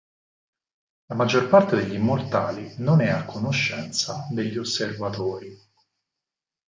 La maggior parte degli Immortali non è a conoscenza degli Osservatori.